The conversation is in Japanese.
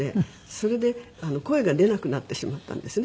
それで声が出なくなってしまったんですね